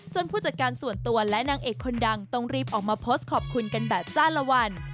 ผู้จัดการส่วนตัวและนางเอกคนดังต้องรีบออกมาโพสต์ขอบคุณกันแบบจ้าละวัน